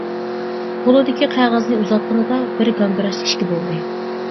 قۇلىدىكى قەغەزنى ئۇزاتقىنىدا بىر گاڭگىراش ئىككى بولدى.